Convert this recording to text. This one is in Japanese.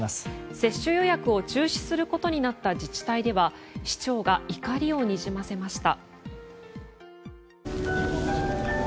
接種予約を中止することになった自治体では市長が怒りをにじませました。